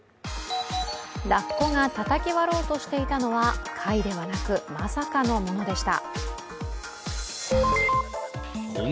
ラッコがたたき割ろうとしていたのは貝ではなくまさかのものでした。